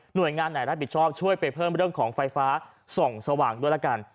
โดยงานไหนรับผิดชอบช่วยไปเพิ่มเรื่องของไฟฟ้าส่องสว่างด้วยละกัน